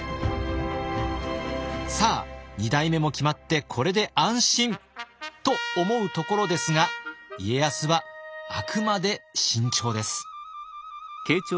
さあ二代目も決まって「これで安心！」と思うところですが家康はあくまで慎重です。